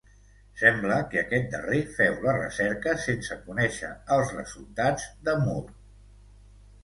Sembla que aquest darrer féu la recerca sense conèixer els resultats de Moore.